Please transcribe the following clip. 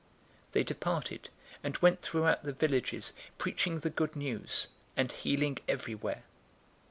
009:006 They departed, and went throughout the villages, preaching the Good News, and healing everywhere.